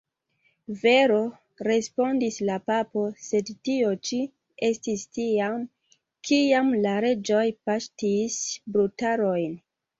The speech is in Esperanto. Vero, respondis la papo, sed tio ĉi estis tiam, kiam la reĝoj paŝtis brutarojn.